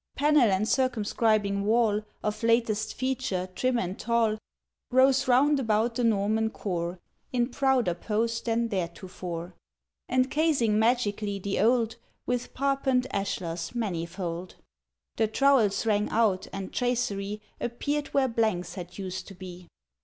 Panel and circumscribing wall Of latest feature, trim and tall, Rose roundabout the Norman core In prouder pose than theretofore, Encasing magically the old With parpend ashlars manifold. The trowels rang out, and tracery Appeared where blanks had used to be.